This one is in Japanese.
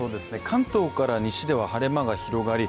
関東から西では晴れ間が広がり